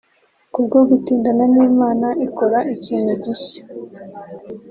Kubwo gutindana n’Imana ikora ikintu gishya